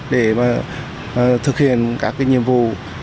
để thực hiện các nhiệm vụ